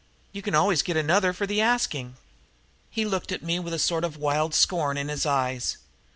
You can always get another for the asking." He looked at me with a sort of wild scorn in his eyes.